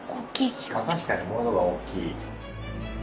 確かに窓が大きい。